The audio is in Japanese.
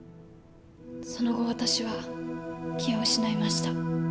その後私は気を失いました。